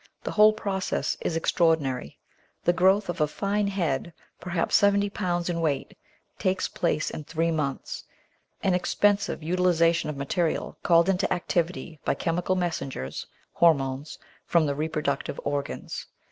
The whole process is extraordinary; the growth of a fine "head," perhaps 70 lbs. in weight, takes place in three months — ^an expensive utilisation of material called into activity by chemical messengers (hormones) from the reproductive organs.